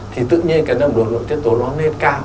thì tự nhiên cái nồng độ nội tiết tố nó lên cao